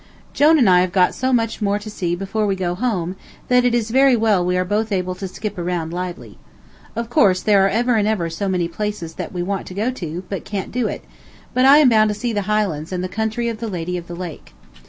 Jone and I have got so much more to see before we go home, that it is very well we are both able to skip around lively. Of course there are ever and ever so many places that we want to go to, but can't do it, but I am bound to see the Highlands and the country of the "Lady of the Lake."